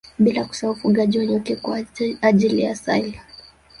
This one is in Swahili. Bila kusahau ufugaji wa nyuki kwa ajili ya asali